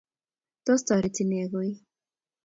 tos? Toroti nee koii?